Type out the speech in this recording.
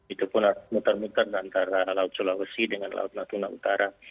itu pun harus muter muter antara laut sulawesi dengan laut natuna utara